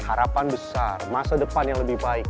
harapan besar masa depan yang lebih baik